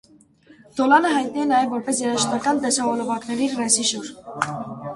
Դոլանը հայտնի է նաև որպես երաժշտական տեսահոլովակների ռեժիսոր։